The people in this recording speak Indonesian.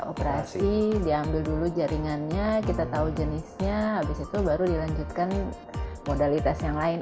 operasi diambil dulu jaringannya kita tahu jenisnya habis itu baru dilanjutkan modalitas yang lain